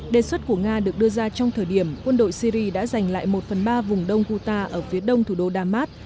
đề xuất của nga được đưa ra trong thời điểm quân đội syri đã giành lại một phần ba vùng đông qatar ở phía đông thủ đô đa mát